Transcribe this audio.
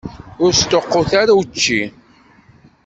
Ur sṭuqqut ara učči.